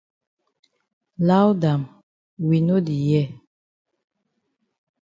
Loud am we no di hear.